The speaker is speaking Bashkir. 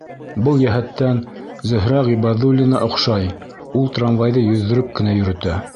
Был йәһәттән Зөһрә Ғибәҙуллина оҡшай, ул трамвайҙы йөҙҙөрөп кенә йөрөтә.